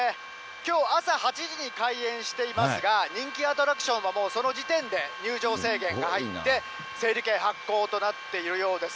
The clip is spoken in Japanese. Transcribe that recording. きょう午前８時に開園していますが、人気アトラクションはもうその時点で入場制限が入って、整理券発行となっているようです。